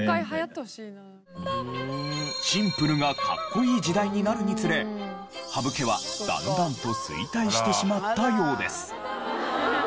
シンプルがかっこいい時代になるにつれハブ毛はだんだんと衰退してしまったようです。